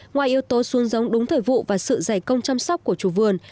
ngoài yếu tố xuống giống đúng thời vụ và sự giải công chăm sóc của chủ vườn